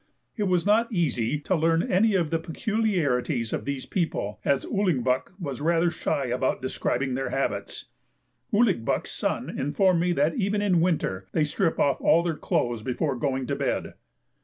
It was not easy to learn any of the peculiarities of these people, as Ouligbuck was rather shy about describing their habits. Ouligbuck's son informed me that even in winter they strip off all their clothes before going to bed.